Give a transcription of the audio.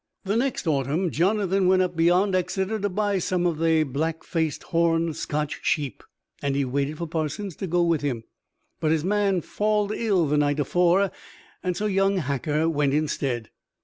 The next autumn Jonathan went up beyond Exeter to buy some of they black faced, horned Scotch sheep, and he wanted for Parsons to go with him; but his man falled ill the night afore, and so young Hacker went instead.